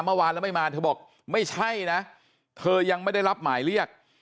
เมื่อวานแล้วไม่มาเธอบอกไม่ใช่นะเธอยังไม่ได้รับหมายเรียก